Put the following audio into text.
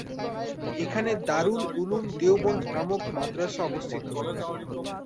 এখানে দারুল উলুম দেওবন্দ নামক মাদ্রাসা অবস্থিত।